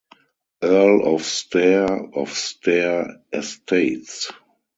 Earl of Stair of Stair Estates.